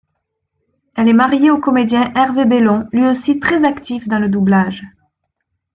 Elle est mariée au comédien Hervé Bellon, lui-aussi très actif dans le doublage.